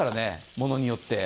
ものによって。